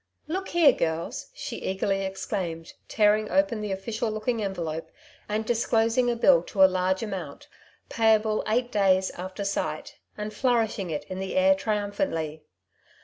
Look here, girls,'' she eagerly exclaimed, tearing open the official looking envelope, and disclosing a bill to a large amount, payable eight days after sight, and flourishing it in the air triumphantly.